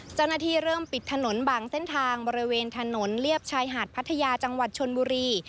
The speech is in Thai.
เจ้าหน้าที่เริ่มปิดถนนบางเส้นทางบริเวณถนนเลียบชายหาดพัทยาจังหวัดชนบุรี